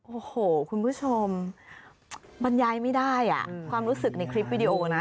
โอ้โหคุณผู้ชมบรรยายไม่ได้อ่ะความรู้สึกในคลิปวิดีโอนะ